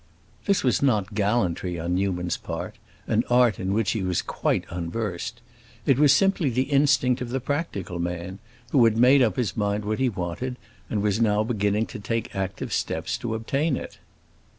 This was not gallantry on Newman's part—an art in which he was quite unversed. It was simply the instinct of the practical man, who had made up his mind what he wanted, and was now beginning to take active steps to obtain it.